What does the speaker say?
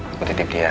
aku tidip dia